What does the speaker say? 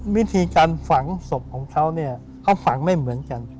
วิธีการฝังศพของเขาเนี่ยเขาฝังไม่เหมือนกัน